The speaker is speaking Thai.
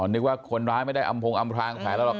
นึกว่าคนร้ายไม่ได้อำพงอำพลางแผลแล้วหรอก